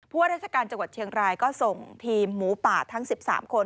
ว่าราชการจังหวัดเชียงรายก็ส่งทีมหมูป่าทั้ง๑๓คน